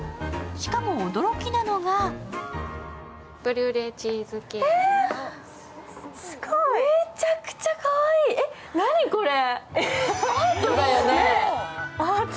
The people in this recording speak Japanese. しかも、驚きなのがめちゃくちゃかわいい、何これ？